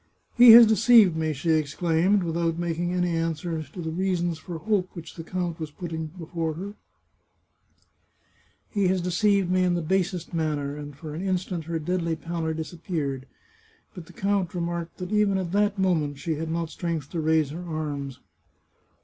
" He has deceived me," she exclaimed, without making any answer to the reasons for hope which the count was putting before her ;" he has deceived me in the basest manner," and for an instant her deadly pallor disappeared. But the count remarked that even at that moment she had not strength to raise her arms.